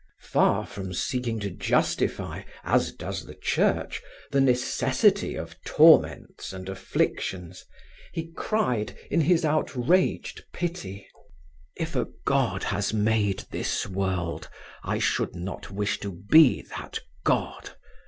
Far from seeking to justify, as does the Church, the necessity of torments and afflictions, he cried, in his outraged pity: "If a God has made this world, I should not wish to be that God.